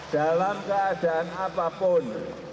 dalam keadaan apapun